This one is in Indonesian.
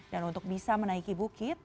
dan untuk bisa menaiki bukit